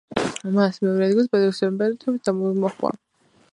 მას მეორე ადგილზე ბოსტონის მარათონის დაბომბვა მოჰყვება.